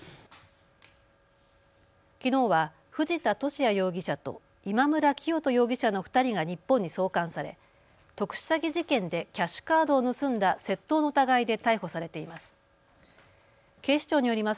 きのうは藤田聖也容疑者と今村磨人容疑者の２人が日本に送還され特殊詐欺事件でキャッシュカードを盗んだ窃盗の疑いで逮捕されています。